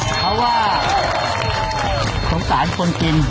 เพราะว่าสงสารคนกิน